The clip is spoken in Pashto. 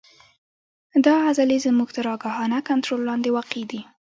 دا عضلې زموږ تر آګاهانه کنترول لاندې واقع دي.